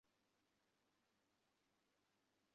এ বিষয়টি আজকাল সাধারণের ভালভাবেই জানা আছে।